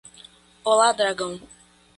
Olá dragão